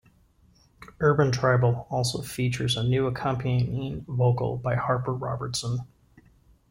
"Urban Tribal" also features a new accompanying vocal by Harper Robertson.